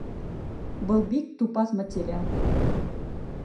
Был бик тупаҫ материал